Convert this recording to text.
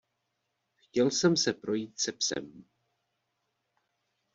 Chtěl jsem se projít se psem.